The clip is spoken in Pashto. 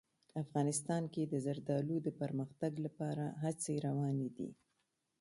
افغانستان کې د زردالو د پرمختګ لپاره هڅې روانې دي.